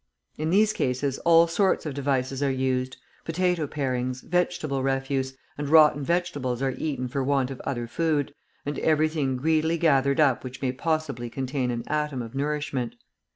In these cases all sorts of devices are used; potato parings, vegetable refuse, and rotten vegetables are eaten for want of other food, and everything greedily gathered up which may possibly contain an atom of nourishment.